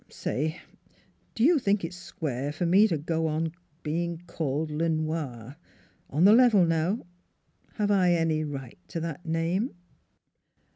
" Say, do you think it's square for me to go on being called Le Noir? On the level, now, have I any right to that name